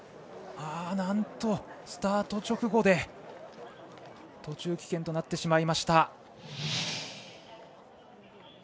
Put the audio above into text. なんと、スタート直後で途中棄権となってしまいました。